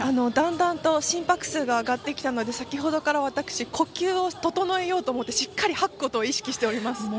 だんだんと心拍数が上がってきたので先ほどから私、呼吸を整えようと思ってしっかり吐くことを意識しております。